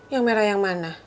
yang merah yang mana